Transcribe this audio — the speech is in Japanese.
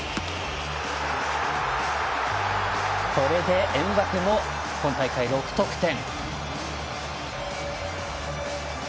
これでエムバペも今大会６得点。